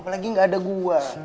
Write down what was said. apalagi gak ada gue